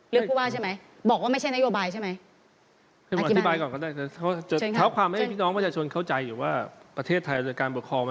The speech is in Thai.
ผู้ว่าใช่ไหมบอกว่าไม่ใช่นโยบายใช่ไหม